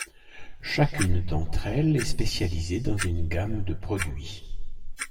Chacune d’entre elles est spécialisée dans une gamme de produits.